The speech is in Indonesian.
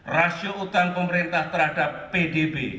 rasio utang pemerintah terhadap pdb